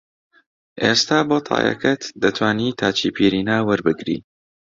ئێستا بۆ تایەکەت دەتوانی تاچیپیرینا وەربگری